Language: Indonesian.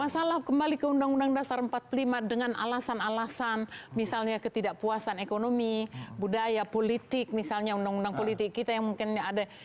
masalah kembali ke undang undang dasar empat puluh lima dengan alasan alasan misalnya ketidakpuasan ekonomi budaya politik misalnya undang undang politik kita yang mungkin ada